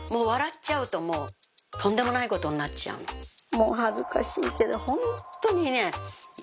もう恥ずかしいけどホントにね嫌です。